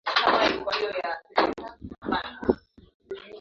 kama nchi ambayo waandishi wa habari wanapitia katika wakati mgumu